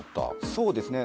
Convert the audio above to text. そうですね。